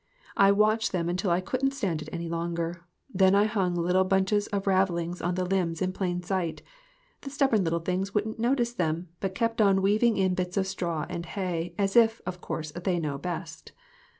I watched them until I couldn't stand it any longer. Then I hung little bunches of ravelings on the limbs in plain sight. The stubborn little things wouldn't notice them, but kept on weaving in bits of straw and hay; as if, of course, they knew best.